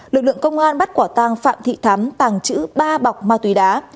lực lượng công an bắt quả tàng phạm thị thám tàng chữ ba bọc ma túy đá